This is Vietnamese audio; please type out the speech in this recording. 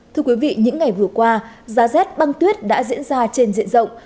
thưa quý vị những ngày vừa qua giá rét băng tuyết đã diễn ra trên diện rộng